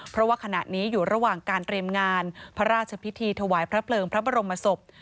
เพราะว่าขณะนี้อยู่ระหว่างการเตรียมงานพระราชพิธีถวายพระเพลิงพระบรมศพ